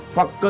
hoặc cơ sở